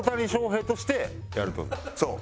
そう。